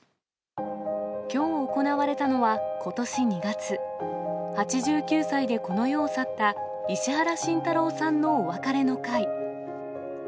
きょう行われたのは、ことし２月、８９歳でこの世を去った、石原慎太郎さんのお別れの会。